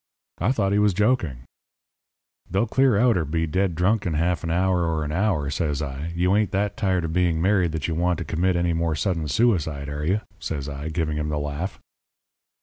"I thought he was joking. "'They'll clear out or be dead drunk in half an hour or an hour,' says I. 'You ain't that tired of being married that you want to commit any more sudden suicide, are you?' says I, giving him the laugh.